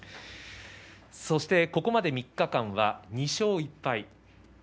そして、ここまで３日間は２勝１敗。